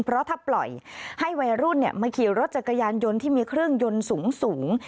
เพราะถ้าปล่อยให้วัยรุ่นมาขี่รถจักรยานยนต์ที่มีเครื่องยนต์สูง